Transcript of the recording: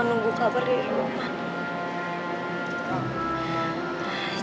nunggu kabar di rumah